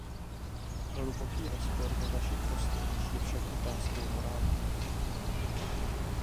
Hluboký rozpor ve vašich postojích je však otázkou morálky.